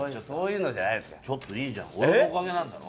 ちょっといいじゃん、俺のおかげなんだろ。